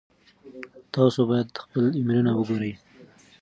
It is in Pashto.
تاسو باید خپل ایمیلونه وګورئ.